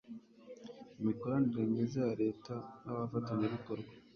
imikoranire myiza ya leta n'abafatanyabikorwa